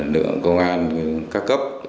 lực lượng công an ca cấp